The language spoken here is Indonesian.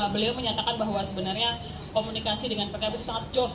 beliau menyatakan bahwa sebenarnya komunikasi dengan pkb itu sangat jose